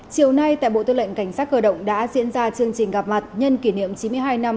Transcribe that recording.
chiều nay tại bộ tư lệnh cảnh sát cơ động đã diễn ra chương trình gặp mặt nhân kỷ niệm chín mươi hai năm